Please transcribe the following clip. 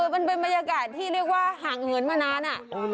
มันเป็นบรรยากาศที่ห่างเหนือนไปนาน